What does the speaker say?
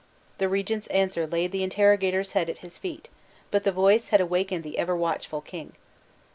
the regent's answer laid the interrogator's head at his feet; but the voice had awakened the ever watchful king.